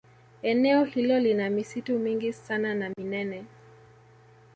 Eneo hilo lina misitu mingi sana na minene